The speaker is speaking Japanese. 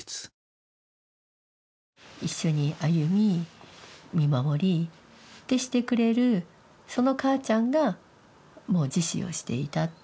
一緒に歩み見守りってしてくれるその母ちゃんがもう自死をしていた。